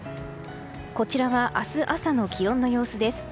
こちらは明日朝の気温の様子です。